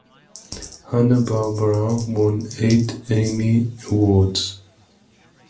Hanna-Barbera won eight Emmy Awards.